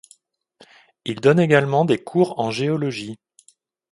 Il donne également des cours en géologie.